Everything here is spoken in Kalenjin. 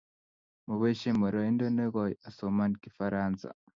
moboisien boroindo nekooi asoman kifaransa